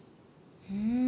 ふん。